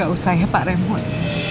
gak usah ya pak raymond